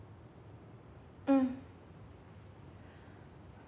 うん。